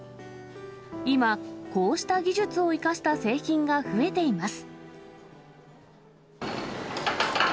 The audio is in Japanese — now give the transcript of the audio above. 今、こうした技術を生かした製品が増えています。